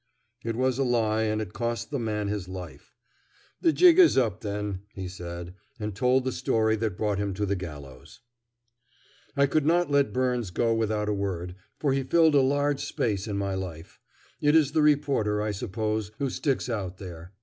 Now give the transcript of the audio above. It was a lie, and it cost the man his life. "The jig is up then," he said, and told the story that brought him to the gallows. I could not let Byrnes go without a word, for he filled a large space in my life. It is the reporter, I suppose, who sticks out there.